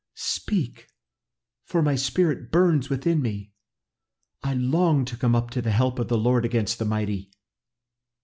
"Speak! for my spirit burns within me. I long to come up to the help of the Lord against the mighty."